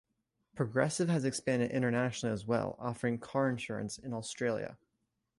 Progressive has expanded internationally as well, offering car insurance in Australia.